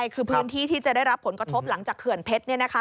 คือพื้นที่ที่จะได้รับผลกระทบหลังจากเขื่อนเพชรเนี่ยนะคะ